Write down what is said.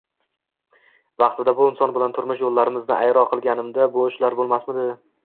Vaqtida shu inson bilan turmush yo`llarimizni ayro qilganimda shu ishlar bo`lmasmidi